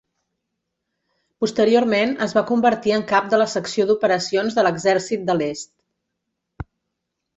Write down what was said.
Posteriorment es va convertir en cap de la secció d'operacions de l'Exèrcit de l'Est.